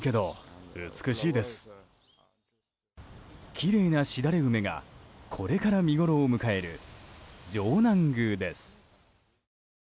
きれいなしだれ梅がこれから見ごろを迎える城南宮です。